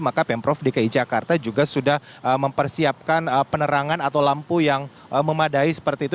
maka pemprov dki jakarta juga sudah mempersiapkan penerangan atau lampu yang memadai seperti itu